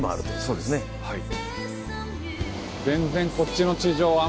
そうですはい。